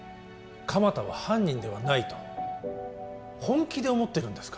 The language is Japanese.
鎌田は犯人ではないと本気で思ってるんですか？